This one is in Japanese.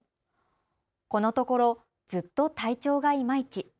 このところずっと体調がイマイチ。